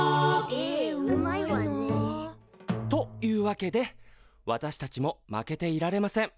絵うまいな。というわけで私たちも負けていられません。